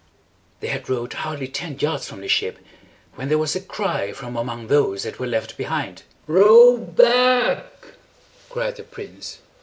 They had rowed hardly ten yards from the ship, when there was a cry from among those that were left behind. "Row back!" cried the prince.